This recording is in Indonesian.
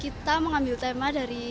kita mengambil tema dari